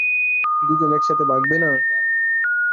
দুজন একসাথে ভাগবে না?